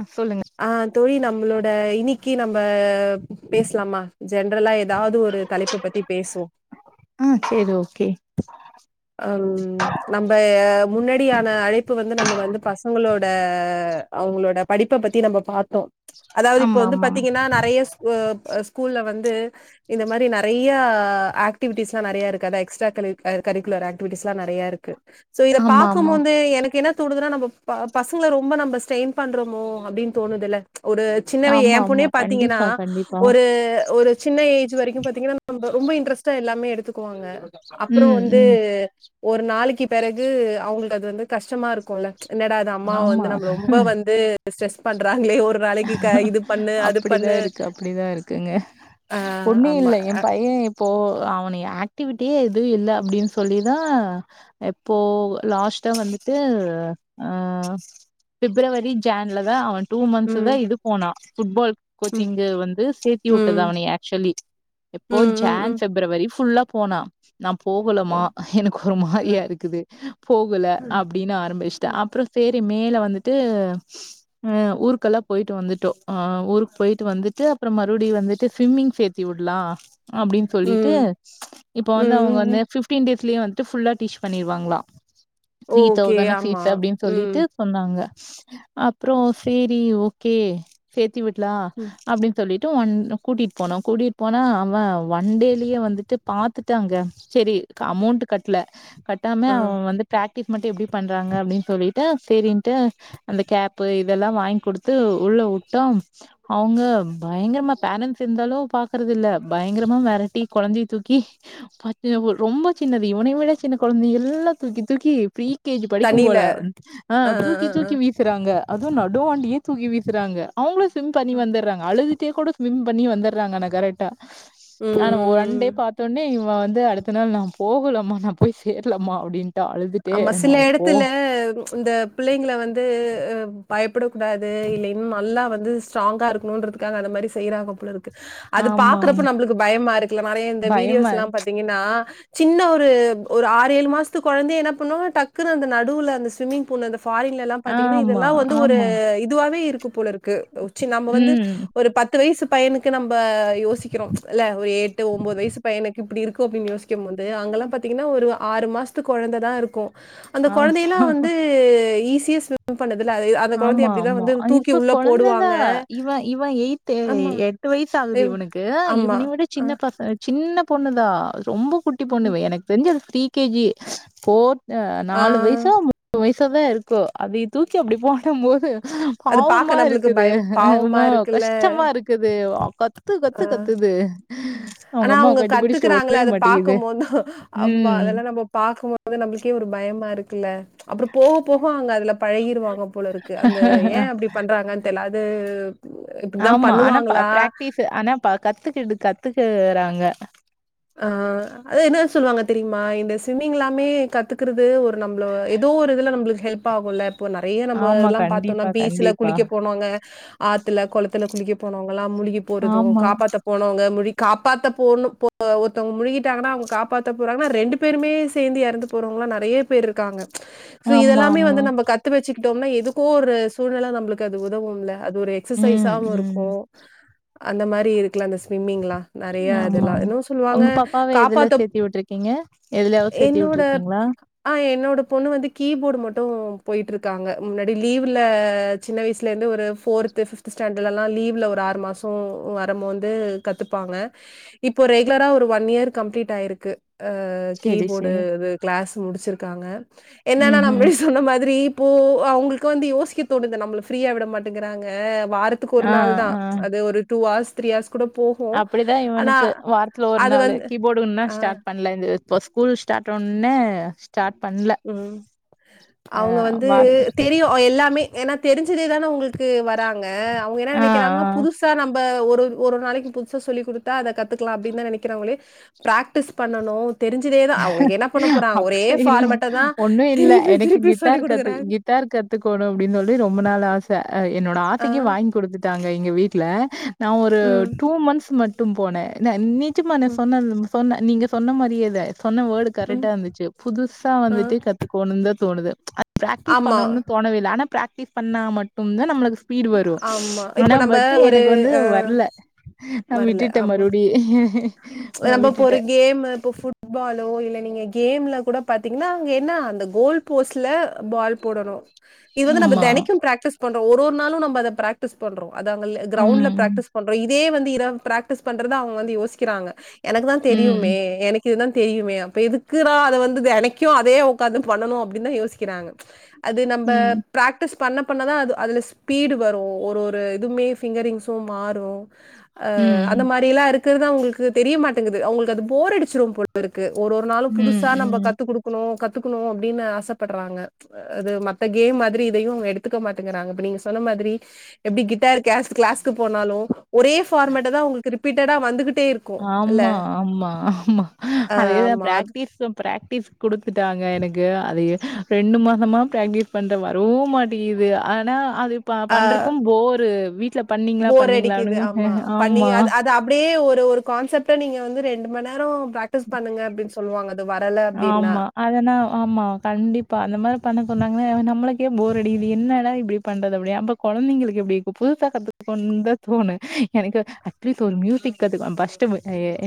அ சொல்லுங்க ஆ தோழி நம்மளோட இனி க்கி நம்ம பேசலாமா ஜென்ரலா எதாவுது ஒரு தலைப்ப பத்தி பேசுவோ ஆ சேர் ஓகே அம் நம்ப முன்னாடியான அழைப்பு வந்து நம்ம வந்து பசங்களோட அவங்களோட படிப்ப பத்தி நம்ம பாத்தோ அதாவது இப்ப ஆமா வந்து ஆமா பாத்திங்கனா நறைய ஸ்கூ ஸ்கூல்ல வந்து இந்த மாரி நறைய ஆக்டிவிட்டிஸ்லா நறைய இருக்கு அதா எக்ஸ்ட்ரா கலி கரிக் குலர் ஏக்டிவிட்டிஸ்லா நறையா இருக்கு சோ இத ஆமா பாக்கும் ஆமா போது எனக்கு என்ன தோணுதுனா நம்ப ப பசங்கள ரொம்ப நம்ம ஸ்டெயின் பண்றமோ அப்டின் தோணுதுல ஒரு சின்னவ ஆமா எம் ஆமா பொண்ணே பாத்திங்கனா கண்டிப்பா கண்டிப்பா ஒரு ஒரு சின்ன ஏஜ் வரைக்கு பாத்திங்கனா நம்ம ரொம்ப இன்டரஸ்டா எல்லாமே எடுத்துக்குவாங்க அப்புறம் ம் வந்து ம் ஒரு நாளைக்கி பெறகு அவங்ளுக்கு அது வந்து கஷ்டமா இருக்குல்ல என்னடா இது அம்மாவ ஆமா வந்து நம்ள ரொம்ப வந்து ஸ்ட்ரெஸ் பண்றாங்ளே ஒரு நாளைக்கு க இது பண்ணு அது பண் தா இருக்கு அப்டிதா இருக்குங்க ஒன்னு ஆமா இல்ல எம் பைய இப்போ அவனைய ஆக்டிவிட்டியே எதுவு இல்ல அப்டின் சொல்லிதா எப்போ லாஸ்ட் க்டா வந்துட்டு ஆ ஃபிப்ரவரி ஜான்ல தா அவ டூ மன்த்ஸ் தா ம் இது போனா ஃபுட்பால் ம் கோச்சிங்கு வந்து சேத்தி வுட்டது ம் அவனய ஆக்சுவலி எப்போ ம் ம் ஜான் ம் ஃபிப்ரவரி ஃபுல்லா போனா நா போகல ஓ, மா எனக்கு ஒரு ஆ, மாரியா இருக்குது போகல ஆ, அப்டின் ஆரம்பிச் டா ம் அப்பற சே மேல வந்துட்டு ஊருக்கெலா போயிட்டு வந்துட்டோ ஊருக்கு போயிட்டு வந்துட்டு அப்பற மறுபடி வந்துட்டு ஸ்விம்மிங் சேத்தி உடலா அப்டின் சொல்லிட்டு ம் இப்ப வந்து அவுங்க ம் வந்து ம் ஃபிஃப்டீன் டே ஸ்லயே வந்துட்டு ஃபுல்லா டீச் பண்ணிருவாங்ளா த்ரீ ஓகே தௌசண்ட் ஃபீஸ் ஆமா அப்டின் ம் சொல்லிட்டு சொன்னாங்க அப்றொ சேரி ஓகே சேத்தி விடலா ம் அப்டின் சொல்லிட் ட்டு ஒன் கூட்டிட் போனோ கூட்டிட் போனா அவ ஒன் டேலயே வந்துட்டு பாத்துட்டாங்க சரி அமௌண்ட் கட்ல கட்டாம ஆ அவ வந்து பிராக்டிஸ் மட்டு எப்டி பண்றா ங்க அப்டின் சொல்லிட்டு சரின்ட்டு அந்த கேப்பு இதெல்லா வாங்க்குடுத்து உள்ள உட்டோ அவுங்க பயங்கரமா பேரண்ட்ஸ் இருந்தாலு பாக்கறதில்ல பயங்கரமா வெரட்டி கொழந்தைய தூக்கி பச்ச ரொம்ப சின்னது இவனய விட சின்ன கொழந்தை எல்லா தூக்கி தூக்கி ப்ரீ கே ஜி ப க்கும் தண்ணியில போல ஆ தூக்கி தூக்கி வீசறாங்க அதுவு நடுவாண்டியே தூக்கி வீசறாங்க அவங்களு ஸ்விம் பண்ணி ஆ வந்துடுறாங்க அழுது ட்டே கூட ஸ்விம் பண்ணி வந்துடுறாங்க ஆனா கரெக்டா ம் நானு ஒன் ம் டே ம் பாத்தோனே வந்து அடுத்த நாள் நா போகுலமா நா போய் சேர்லமா அப்டின்ட்டா அழுதுட்டே நா துல இந் த பிள்ளைங்கள வந்து பயப்படக்குடாது இல்லைன் நல்லா வந்து ஸ்ட்ராங்கா இருக்கணுன்றதுக்காக அந்த மாரி செய்யறாங்க போலருக்கு அது ஆமாமா. பாக்குறப்ப நம்புளுக்கு பயமா இருக்குல நறைய இந்த வீடியோஸ் பயமா எல்லா பாத்திங்கனா சின்ன ஒரு ஒரு ஆறேழு மாசத்து கொழந்தைய என்ன பண்ணுவங்ன டக்குனு அந்த நடுவுல அந்த ஸ்விமிங் பூல இந்த ஃபாரின்ல எல்லா பாத்திங்னா ஆமா, இதெல்லா வந்து ஒரு ஆமா. இதுவாவே இருக்கு போல இருக் கு சி நம்ம வந்து ம். ஒரு பத்து வய்சு பையனுக்கு நம்ப யோசிக்கறோ இல்ல ஒரு எட்டு ஒம்போது வய்சு பையனுக்கு இப்புடி இருக்கு அப்டின் யோசிக் கும்போது அங்கெலாம் பாத்திங்கனா ஒரு ஆறு மாசத்து கொழந்த தா இருக் அந்த ஆமா. குழந்தை எல்லாம் வந்து ஈஸியா ஸ்விம் பண்ணுது ஆமா ஆமா இப்ப கொழந்ததா போடுவாங்க. இவன் இவன் எய்த்து ஆமா. எட்டு வயசு ஆகுது எவ் இவனுக்கு ஆமா. இவனையு விட அ, சின்ன பச சின்ன பொண்ணுதா ரொம்ப குட்டி ம். பொண்ணு எனக்கு தெரிஞ்சு அது ப்ரீ கேஜி ஃபோர் ஆ. நாலு வயசோ மூணு வயசோ தான் இருக்கும் அதைய தூக்கி அப்படி போடும் போது அது பாவமா பாக்க நம்பளுக்கு இருக்குது பயம் பாவமா இருக்குல்ல. கஷ்டமா இருக்குது கத்து கத்து ஆ. கத்துது அவங்க ஆனா அம்மாவ அவுங்க கட்டி பிடிச்சுட்டு கத்துக்குறாங்களே ஓடவே அத மாட்டேங்குது. பாக்கும் போது அவ் ம். அதெல்லாம் நம்ம பாக்கும் போது நம்ம நம்மளுக்கே ஒரு பயமா இருக்கு இல்ல அப்புறம் போக போக அங்க அதுல பழகிருவாங்க போல இருக்கு அந்த ஏன் அப்டி பண்றாங்கன் தெரில அது இப்படிதான் ஆமா ஆனா பண்ணுவாங்களா? பிராக்டிஸ் ஆனா கத்துக்கிட்டு கத்துக்குறாங்க ஆஹ் அது என்னனு சொல்லுவாங்க தெரியுமா இந்த ஸ்விம்மிங் எல்லாமே கத்துக்குறது ஒரு நம்மள ஏதோ ஒரு இதுல நம்மளுக்கு ஹெல்ப் ஆகுல்ல இப்ப நெறைய நம்ம ஆமா. இதெல்லாம் பாத்தோம்னா கண்டிப்பா, பீச்சுல கண்டிப்பா. குளிக்க போனவுங்க ஆத்துல குளத்துல குளிக்க போனவுங்க ல்லாம் மூழ்கி போறதும் ஆமா. காப்பாத்த போனவங்க முழி காப்பாத்த போ போ ஒருத்தவங்க முழ்கிட்டாங்கன்னா அவுங்க காப்பாத்த போறாங்கன்னா ரெண்டு பேருமே சேர்ந்து இறந்து போறவங்கல்லாம் நிறைய பேர் இருக்காங்க சோ ஆமா, இதெல்லாமே ஆமா. வந்து நம்ம கத்து வச்சுக்கிட்டோம்னா எதுக்கோ ஒரு சூழ்நிலை நம்மளுக்கு அது உதவும்ல அது ஒரு ம், எக்ஸசைஸாவும் ம். இருக்கும் அந்த மாரி இருக்குல அந்த ஸ்விம்மிங்லாம் நிறைய ஆமா. இதெல்லாம் இன்னும் வாங்க உங்க பாப்பாவ எதுல காப்பாத்த சேத்தி விட்டுருக்கீங்க? எதுலயாவது சேத்தி என்னோட விட்டுருக்கீங்களா? ஆ என்னோட பொண்ணு வந்து கீபோர்டு மட்டும் போயிட்டு இருக்காங்க முன்னாடி லீவ்ல சின்ன வயசுல இருந்து ஒரு ஃபோர்த்து ஃபிஃப்த் ஸ்டண்டர்ட் எல்லாம் லீவ்ல ஒரு ஆறு மாசம் வரும் போது கத்துப்பாங்க இப்ப ரெகு லரா ஒரு ஒன் இயர் கம்ப்ளீட் ஆயிருக்கு ஆ சரி, கீபோர்டு சரி. அது க்ளஸ் முடிச்சிருக்காங்க என்னன்னா நம்ம ம்ஹ்ம். முன்ன சொன்ன மாதிரி இப்போ ஓ அவுங்களு வந்து யோசிக்க தோனுது நம்மள ஃப்ரீயா விட மாட்டேங்குறாங்க வாரத்துக்கு ஒரு ஆ, நாள் தான் ஆ. அது ஒரு டூ ஆர்ஸ் அப்படிதான் இவனுக்கு வார் ஸ்லோ ஒரு அது நாளு வந்து கீபோர்டு இன்னு ஆ ஸ்டார்ட் பண்ணல இப்போ ஸ்கூல் ஸ்டார்ட் ஒனே உம் அ அவுங்க வந்து வார்த்த தெரியும் எல்லாமே ஏன்னா தெரிஞ்சதே தானே உங்களுக்கு வராங்க அவுங்க என்ன ஆ, நினைக்கிறாங்கன்னா ஆ. புதுசா நம்ம ஒரு ஒரு நாளைக்கு புதுசா சொல்லிக் கொடுத்தா அத கத்துக்கலாம் அப்படின்னு தான் நினைக்கிறாங்களே ப்ராக்டிஸ் பண்ணனும் தெரிஞ்சதே தான் அவங்களுக்கு என்ன பண்ண போறாங்க ஒரே அப்படி இல்ல. பார்மட் ஒண்ணும் இல்ல எனக்கு கிட்டார் கத்து குடுக்குறாங்க. கிட்டார் கத்துக்கணும் அப்படின்னு சொல்லி ரொம்ப நாள் ஆச என்னோட ஆ, ஆசைக்கு வாங்கி கொடுத்துட்டாங்க எங்க வீட்டுல நா ஒரு ம், டூ மந்த்ஸ் மட்டு டும் போனே ந நிஜமா ம், சொன்ன சொன்ன நீங்க சொன்ன மாதிரியே தா சொன்ன வேர்டு ம். கரெக்டா இருந்துச்சு புதுசா ஆ, வந்துட்டு கத்துக்கணும்னு தான் தோணுது ப்ராக்டிஸ் ஆமா, பண்ணும்னு தோணவேயில்லை ஆனா ப்ராக்டிஸ் பண்ணா மட்டும்தான் நம்மளுக்கு ஸ்பீடு வரும் ஆமா. இப்ப ஆனா நம்ப பட்டு ஒரு எனக்கு வந்து அ வரல நா வரல. விட்டுட்ட ஆமா. மறுபடி நான் நம்ம இப்ப ஒரு விட்டுட்டேன். கேம் இப்ப புட்பால் இல்ல இல்லைங்க கேம்ல கூட பாத்தீங்கன்னா அங்க என்ன அந்த கோல் போஸ்ட்ல பால் போடணும் இது வந்து நம்ம ஆமா. தினைக்கும் ப்ராக்டிஸ் பண்றோம் ஒரு ஒரு நாளும் நம்ம அத ப்ரக்டிஸ் பண்றோம் அத அங்க கிரவுண்ட்ல ம். ப்ரக்டிஸ் பண்றோ இதே வந்து இத ப்ரக்டிஸ் பண்றத அவுங்க வந்து யோசிக்கிறாங்க எனக்கு தான் ம். தெரியுமே எனக் இது தான் தெரியுமே அப்புறம் எதுக்குதா அத வந்துது தினைக்கும் அதே உக்காந்து பண்ணணும் அப்டினு தான் யோசிக்கிறாங்க அது நம்ம ம். ப்ரக்டிஸ் பண்ண பண்ண தான் அது அதுல ஸ்பீடு வரும் ஒரு ஒரு இதுவுமே ஃபிங்கர்ரிங்ஸும் மாறும் அஹ் அந்த ம். மாரி எல்லாம் இருக்குறது அவுங்களுக்கு தெரியமாட்டேங்குது அவுங்களுக்கு அது போர் அடிச்சிரும் போல் இருக்கு ஒரு ஒரு நாளும் ம். புதுசா நம்ம ம். கத்து குடுக்கணும் கத்து கத்துக்கணும் அப்படின்னு ஆசைப்படுறாங்க அது மத்த கேம் மாதிரி இதையும் எடுத்துக்க மாட்டங்குறாங்க நீங்க சொன்ன மாரி எப்படி கிட்டார் கே கிளாஸ்க்கு போனாலும் ஒரே பார்மேட்ட தான் உங்களுக்கு ரிபீட்டடா வந்துகிட்டே இருக்கும் இல்ல ஆமா ஆமா ஆமா அதேதா ஆமா அது பிராக்டிஸ் ஸ் கொடுத்துட்டாங்க எனக்கு அது ரெண்டு மாசமா பிர்ராக்டிஸ் பண்ற வர மாட்டிது ஆனா அது இ பண்றப்போ போரு வீடல போர் அடிக்குது ஆமா பண்ணி அது அப்படியே ஒரு ஒரு கான்செப்ட நீங்க வந்து ரெண்டு மணி நேரம் பிராக்டிஸ் பண்ணுங்கா அப்படின்னு சொல்லுவாங்க அது வரல அப்படின்னா ஆமா அதெனா ஆமா கண்டிப்பா அந்த மாதிரி பண சொன்னாங்க நம்மளுக்கே போர்அடிக்கிது என்ன இப்படி பண்றது அடிய குழந்தைங்களுக்கு எப்படி புதுசா கத்துக்க போனே எனக்கு அடலீஸ் ஒரு மியூசிக் கத்துகா பிஸ்ட்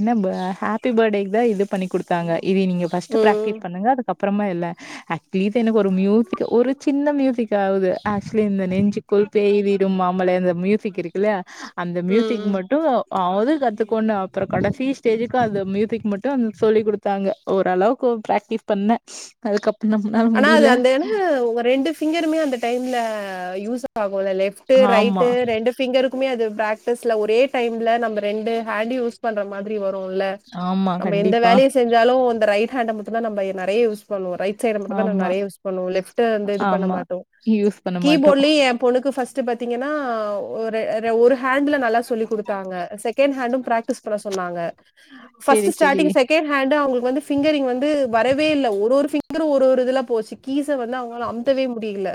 என்ன ஹாப்பி பர்த்டே இத இது பண்ணி கொடுத்தாங்க இதை நீங்க பஸ்ட் உம் பிராக்டிஸ் பண்ணுங்க அதுக்கப்பு அப்புறமா இல்ல அட்லீஸ் எனக்கு ஒரு மியூசிக் ஒரு சின்ன மியூசிக் ஆவுது ஆக்சூலீ நஞ்சு பேய்விடும் மாமல அந்த மியூசிக் இருக்குல்ல அந்த உம் மியூசிக் உம் மட்டும் அவது கத்து கொண்ணு அப்புறம் கடைசி ஸ்டேஜக்கு அது மியூசிக் மட்டும் அ சொல்லி கொடுத்தாங்க ஓரளவுக்கு பிராக்டிஸ் பண்ணே அதுக்கப்புற ஆனா அது அந்த உங்க ரெண்டு சிங்கருமே அந்த டைம்ல யூஸ் ஆ போல லெப்ட் ரைட ஆமா ரெண்டு பிங்கருக்குமே அது பிராக்டிஸ்ல ஒரே டைம்ல நம் ரெண்டு ஹேண்ட யூஸ் பண்ற மாதிரி வரும் இல்ல ஆமா நம் எந்த கண்டிப்பா வேலையை செஞ்சாலு அந்த ரைட ஹண்ட நம் நைறைய யூஸ் பண்ணுவோ ரைட் சை நான் ஆமா நிறைய யூஸ் பண்ணுவன் லெப்ட் வந்து இது பண்ண ஆமா மாட்டோ யூஸ் பண்ண மாட்டோ கீபோர்டலி என் பொண்ணுக்கு பஸ்ட் பாத்தீங்கன்னா ஒரு ஒரு ஹண்ட்ல நல்லா சொல்லி கொடுத்தாங்க செகண்ட் ஹண்ட பிராக்டிஸ் பண்ண சொன்னாங்க சேரி பஸ்ட் சேரி ஸ்டாரிங் செகண்ட் ஹேண்ட் அவங்களுக்கு வந்து பிங்கரிங் வந்து வரவே இல்லை ஒரு ஒரு பிங்கர்ரு ஒரு ஒரு இதுல போச்சு கீஸ் வந்து அவங்க அம்த்தவே முடியல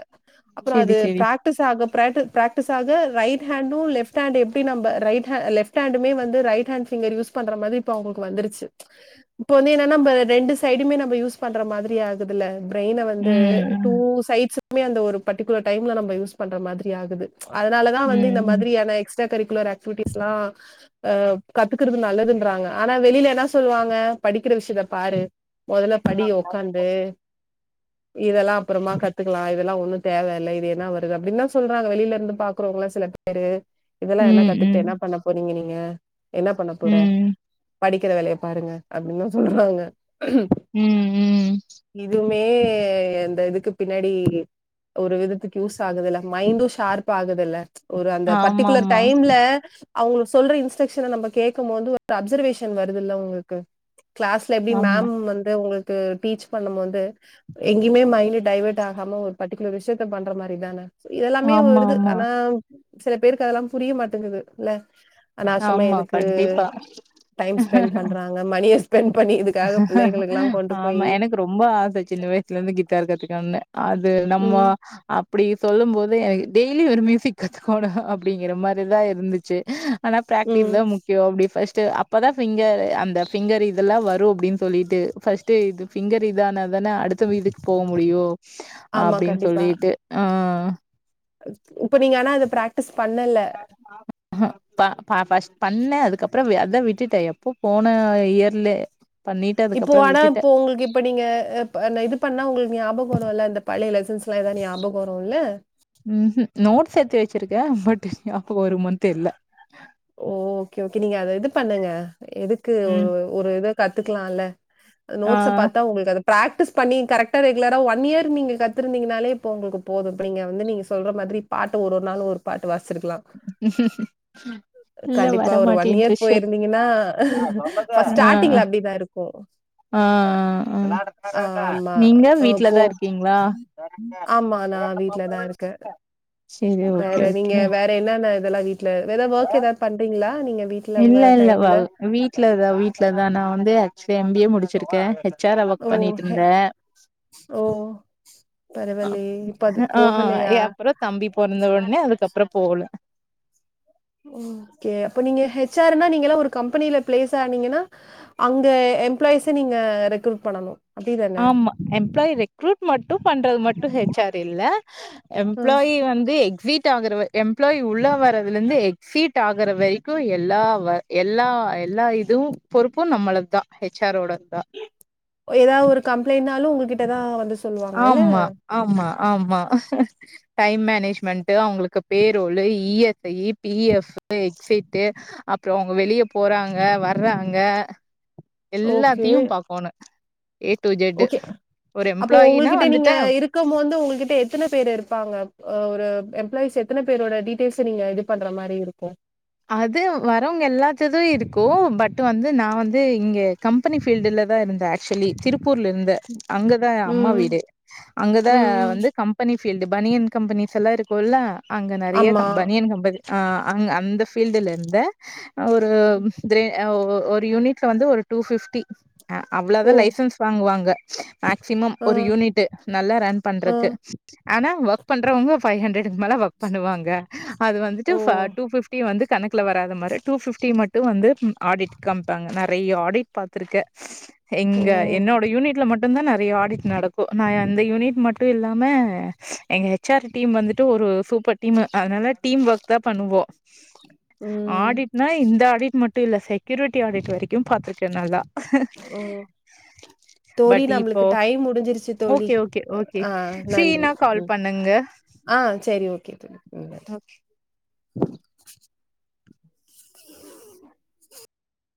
அப்புறம் சேரி அது சேரி பிராக்டிஸ் ஆக ப பிராக்டிஸாக ரைட் ஹண்ட லெப்ட் ஹண்ட் எப்படி நம்ம ரைட் லேப்ட் ஹெண்டுமே வந்து ரைட் ஹண்ட்ஸ் யூஸ் பண்ற மாதிரி இப்ப அவங்களுக்கு வந்துருச்சு இப்ப வந்து என் நம்ம ரெண்டு சைடுமே நம்ம யூஸ் பண்ற மாதிரியது இதுல ப்ரைன வந்து டூ ம் சைட்ஸ் அந்த ஒரு பர்டிகுலர் டைம்ல நம்ம யூஸ் பண்ற மாதிரி ஆகுது அதனாலதான் வந்து இந்த ம் மாதிரியான எக்ஸ் எக்ஸ்ட்ராகரிக்குலர் ஆக்டிவிட்டிஸ் எல்லா அ கத்துக்கறது நல்லதுன்றாங்க ஆனா வெளியில என்ன சொல்லுவாங்க படிக்கிற விஷயதா பாரு முதல்ல படி உக்காந்து இதெல்லா அப்புறமா கத்துக்கலா இதெல்லா ஒன்னு தேவ இலை இது என்னா வருது அப்படின்னா சொல்றாங்க வெளியில இருந்து பாக்குறவங்களா சில பேரு இதெல்லாம் என்ன ம் ம் கத்துட்டு ம் என்ன பண்ண போனீங்க நீங்க என்ன பண்ண போற ம் படிக்கிற விளையை பாருங்க அப்படின்தா சொல்வாங்க ம் ம் இதுமே அந்த இதுக்கு பின்னாடி ஒரு விதத்துக்கு யூஸ் ஆகுதுல மைண்டு ஷார்ப் ஆகுதுல ஒரு அந்த பர்ட்டிகுலர் ஆமாமா டைம்ல அவுங்க சொல்ற இன்ஸ்ட்ரக்ஷன நம்ம கேட்ககும் போது ஒரு அப்சர்வேஷன் வருதுல உங்களுக்கு கிளாஸ்ல எப்டி ஆமா மேம் வந்து உங்களுக்கு டீச் பண்ணும்போது எங்கயுமே மைண்ட் டைவேர்ட் ஆகாம ஒரு பர்டிகுலர் விஷயத்த பண்ற மாரி தான இதெல்லாமே ஆமா வருது ஆமா ஆனா சில பேருக்கு அதெல்லா புரிய மாட்டேங்குது இல்ல அனாவிஷமா ஆமா எதுக்கு கண்டிப்பா டைம் ஸ்பெண்ட் பண்றாங்க மணிய ஸ்பெண்ட் பண்ணி இதுக்காக பிள்ளைகளுக்கெல்லா கொண்டு போயி நா சின்ன வயசுல இருந்து கித்தார் கத்துக்கணுனு அது நம்மோ ம் அப்டி சொல்லு போது எனக் டெய்லி ஒரு மியூசிக் கத்துக்கணு அப்டிங்கிற மாரிதா இருந்துச்சு ஆனா பிராக்டிஸ் ம் தா முக்கியோ அப்டி பஸ்ட்டு அப்ப தா பிங்கர் அந்த பிங்கர் இதெல்லா வர் ரு அப்டினு சொல்லிட்டு பஸ்ட்டு இது பிங்கர் இதானாதன அடுத்த வீட்டுக்கு போ முடியு ஆமா அப்டினு கண்டிப்பா சொல்லிட்டு அ இப்ப நீங்க ஆனா அது பிராக்டிஸ் பண்ணல பா பா பஷ் பண்ணே அதுக்கப்பறோ அதா விட்டுட்டே எப்போ போன இயர்ல பண்ணிட்டு இப்போ அதுக்கப்புறோ ஆனா விட்டுட்டே இப்போ ஒங்களுக்கு இப்ப நீங்க இது பண்ணா ஒங்களுக்கு ஞாபகோ போனோல அந்த பழைய லெசன்ஸ்லா எதா ஞாபகோ வருல யா பட் ஞாபகோ வருமா தெர்ல ஓகே ஓகே நீங்க அத இது பண்ணுங்க எதுக்கு ம். ஒரு இத கத்துக்கலால ஆ நோட்ஸ பாத்தா ஒங்ளுக்கு அது பிராக்டிஸ் பண்ணி கரெக்டா ரெகுலராக ஒன் இயர் நீங்க கத்துருந்தீங்கனாலே இப்போ ஒங்களுக்கு போது இப்ப நீங்க வந்து நீங்க சொல்ற மா திரி பாட்டு ஒரு ஒரு நாளு ஒரு பாட்டு வாஸ் இல்ல கண்டிப்பா ஒரு ஒன் இயர் வரமாட்டேன்ருச்சு. போயிருந்தீங்கன்னா ஆ சொல்லுங்க. ஃபர்ஸ்ட் ஆ ஸ்டார்டிங்ல அப்டிதா இருக்கு ஆ ஆ. ஆமா நீங்க அ வீட்ல போ தான் இருக்கீங்களா? ஆமா நா ஆ வீட்ல தா இருக்கே சரி வேற ஓகே நீங்க ஓகே. வேற என்னென்ன இதெல்லா வீட்ல வேற எதா ஒர்க் எதாது பண்றீங்களா நீங்க வீட்ல இல்ல உங்க இல்ல வா டைம்ல? வீட்லதா வீட்லதா நா வந்து ஆக்சுவ்லா எம் பிஏ முடிச்சிருக்கே ஹெச் ஆரா ஒர்க் ஓ! ஹே பண்ணிட்ருந்தே ஓ! பரவாயில்லையே! இப்ப அது ஆ ஆ போகலையா? ஏ அப்றோ தம்பி பொறந்த ஒடனே அதுக்கப்றோ போகல ஓகே அப்ப நீங்க ஹெச் ஆர்னா நீங்களா ஒரு கம்பெனில பிளேஸ் ஆனீங்கனா அங்க எம்ப்ளாய்ஸை நீங்க ரெக்ரூட் பண்ணணு ஆமா எம்ப்ளாயி ரெக்ரூட் மட்டு பண்றது மட்டு ஹெச் ஆர் இல்ல ம் எம்ப்ளாயி வந்து எக் ஸீட் ஆகுற வ எம்ப்ளாயி உள்ள வரதுலருந்து எக்ஸ்சீட் ஆகுற வரைக்கு எல்லா வ எல்லா வா எல்லா இதுவு பொறுப்பு நம்மளத்தா ஹெச்சாரோட ஏதாது ஒரு கம்ப்ளைண்ட்னாலு ஒங்ககிட்டதா வ ஆமா ஆமா ஆமா டைம் மேனேஜ்மெண்ட்டு அவுங்களுக்கு பேரோலு இஎஸ்ஐ பிஎஃப் எக்ஸ்சீட்டு அப்றோ அவுங்க வெளிய போறாங்க வர்றாங்க ஓகே எல்லாத்தியு பாக்கோனு ஏ டு இஜட்டு ஒரு ம் இப்போ ஒங்ககிட்ட நீங்க இருக்கம்போது ஒங்ககிட்ட எத்தன பேரு இருப்பாங்க அ ஒரு எம்ப்ளாயிஸ் எத்தன பேரோட டீட்டெய்ல்ஸ நீங்க இது பண்ற மாரி இருக்கு அது வரவுங்க எல்லாத்துது இருக்கு பட் வந்து நா வந்து இங்க கம்பெனி ஃபீல்டுல தா இருந்தே ஆக்சுவலி திருப் பூர்ல இருந்தே அங்கதா அம்மா ம் வீடு அங்கதா ம் ம் வந்து கம்பெனி ஃபீல்டு பனியன் கம்பெனிஸ்லா இருக்குல அங்க நெறையா ஆமா கம் பனியன் கம்பெனி ஆ அங் அந்த பீல்டுலந்த அ ஒரு திரே அ ஒ ஒரு யூனிட்ல வந்து ஒரு டூ ஃபிப்டி அ அவ்ளதா ஓ லைசன்ஸ் வாங்குவாங்க மேக்சிமம் ஆ ஒரு யூனிட்டு நல்லா ரன் ஆ பண்றக்கு ஆனா ஒக் பண்றவங்க ஒரு ஃபைவ் ஹண்ட்ரெட்க் மேல ஒர்க் பண்ணுவாங்க அது வந்துட்டு ஓ ஃப டூ ஃபிப் டி வந்து கணக்குல வராத மாரி டூ ஃபிப்டி மட்டு வந்து ம் ஆடிட் காம்ப்பாங்க நெறைய ஆடிட் பாத்துருக்கே ஓ எங்க என்னோட யூனிட்ல மட் டு தா நெறைய ஆடிட் நடக்கு நா அந்த யூனிட் மட்டு இல்லாம எங்க எச் ஆர் டீம் வந்துட்டு ஒரு ம் சூப்பர் டீமு அதனால டீம் ஒர்க் தா பண்ணுவோ ம் ஆடிட்னா இந்த ஆடிட் மட்டு இல்ல செக்யூரிட்டி ஆடிட் வரைக்கு பாத்துட்ட நல்லா ஓ தோழி பட் நம்முளுக்கு இப்போ டைம் முடிஞ்சிருச்சி தோழி ஓகே ஓகே ஓகே ஆ நன்றி ஃப்ரீனா கால் ம் பண்ணுங்க. ஓகே. ஆ செரி ஓகே தோழி [inaudible]